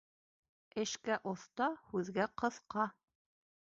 Эшкә оҫта, һүҙгә ҡыҫҡа.